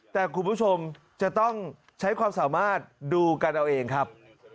แต่คุณผู้ชมจะต้องใช้ความสามารถดูกันเอาเองครับ